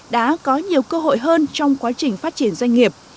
đã có nhiều cơ hội hơn trong quá trình phát triển doanh nghiệp